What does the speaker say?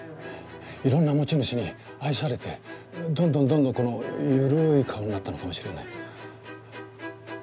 いろんな持ち主に愛されてどんどんどんどんこのゆるい顔になったのかもしれない。